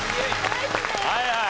はいはい。